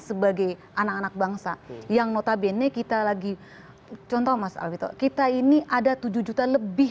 sebagai anak anak bangsa yang notabene kita lagi contoh mas alvito kita ini ada tujuh juta lebih